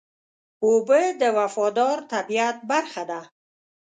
اوبه د وفادار طبیعت برخه ده.